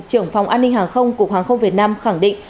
trưởng phòng an ninh hàng không cục hàng không việt nam khẳng định